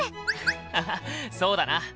ハハそうだな。